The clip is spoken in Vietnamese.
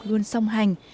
luôn song hành